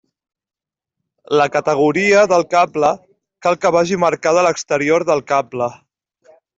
La categoria del cable cal que vagi marcada a l'exterior del cable.